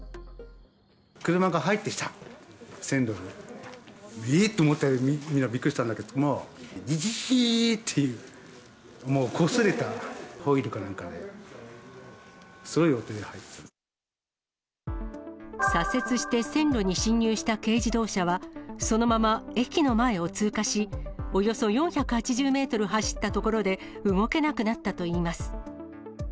車が入ってきた、線路に、えっ！と思って、みんなびっくりしたんだけども、ぎぎぎーっていう、もう、こすれたホイールかなんかで、左折して線路に進入した軽自動車は、そのまま駅の前を通過し、およそ４８０メートル走った所で動けなくなったといいます。